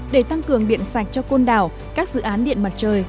để tăng cường điện sạch cho con đảo các dự án điện mặt trời